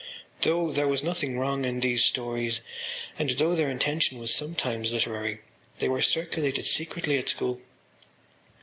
Though there was nothing wrong in these stories and though their intention was sometimes literary they were circulated secretly at school.